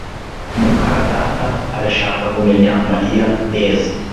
muka data arashaka kumenya Mariya neza